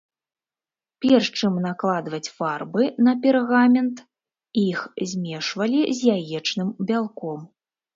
Перш чым накладваць фарбы на пергамент, іх змешвалі з яечным бялком.